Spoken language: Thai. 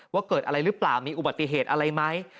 ว่าเกิดอะไรหรือเปล่ามีอุบัติเหตุอะไรไหม